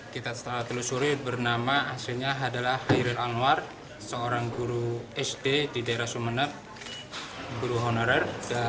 kita telusuri bernama hasilnya adalah hairil anwar seorang guru sd di daerah sumene guru honorer